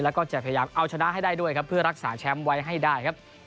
และก็จะพยายามเอาชนะให้ด้วยเพื่อรักษาแชมป์ไว้ให้ได้